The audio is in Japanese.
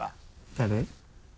誰？